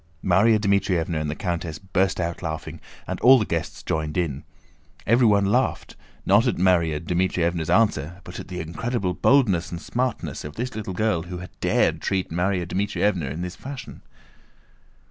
Márya Dmítrievna and the countess burst out laughing, and all the guests joined in. Everyone laughed, not at Márya Dmítrievna's answer but at the incredible boldness and smartness of this little girl who had dared to treat Márya Dmítrievna in this fashion.